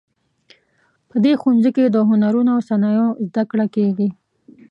په دې ښوونځي کې د هنرونو او صنایعو زده کړه کیږي